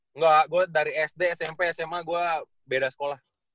enggak gue dari sd smp sma gue beda sekolah